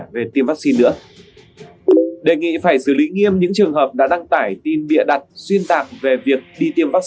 về việc đi tiêm vắc xin covid một mươi chín